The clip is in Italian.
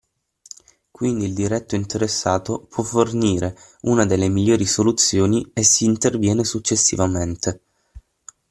Quindi il diretto interessato può fornire una delle migliori soluzioni e si interviene successivamente.